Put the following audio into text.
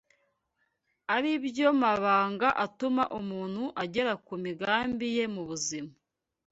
ari byo mabanga atuma umuntu agera ku migambi ye mu buzima